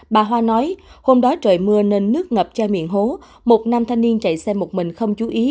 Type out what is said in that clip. bà hoa nói hôm đó trời mưa nên nước ngập chai miệng hố một nam thanh niên chạy xe một mình không chú ý